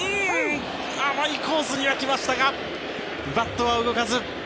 甘いコースには来ましたがバットは動かず。